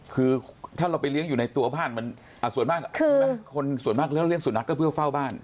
คือถ้าเราไปเลี้ยงอยู่ในตัวบ้านส่วนมากคนส่วนมากเลี้ยงสูตรนักก็เพื่อเฝ้าบ้าน